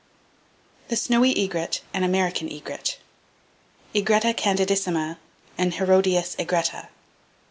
The Snowy Egret And American Egret, (Egretta candidissima and Herodias egretta).